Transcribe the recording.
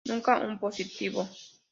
Nunca un positivo.